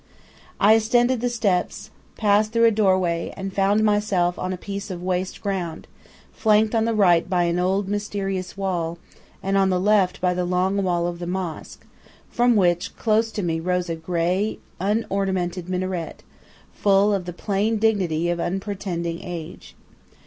I ascended the steps, passed through a doorway, and found myself on a piece of waste ground, flanked on the right by an old, mysterious wall, and on the left by the long wall of the mosque, from which close to me rose a grey, unornamented minaret, full of the plain dignity of unpretending age.